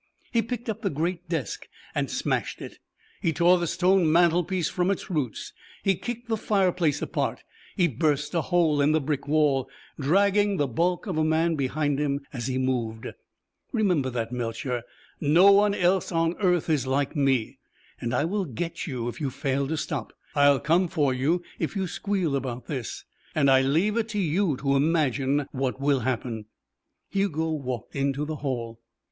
He picked up the great desk and smashed it, he tore the stone mantelpiece from its roots; he kicked the fireplace apart; he burst a hole in the brick wall dragging the bulk of a man behind him as he moved. "Remember that, Melcher. No one else on earth is like me and I will get you if you fail to stop. I'll come for you if you squeal about this and I leave it to you to imagine what will happen." Hugo walked into the hall.